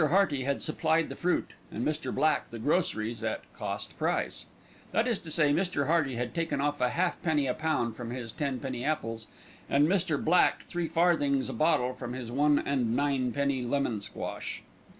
Hearty had supplied the fruit and Mr. Black the groceries at "cost price." That is to say, Mr. Hearty had taken off a halfpenny a pound from his tenpenny apples, and Mr. Black three farthings a bottle from his one and ninepenny lemon squash.